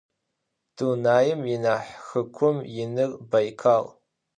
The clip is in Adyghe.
Dunaim yianah xıkhum yinır Baykal.